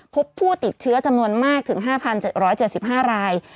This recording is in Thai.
พบผู้ติดเชื้อจำนวนมากถึง๕๗๗๕ราย